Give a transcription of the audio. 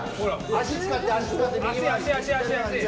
足使って足使って足足足！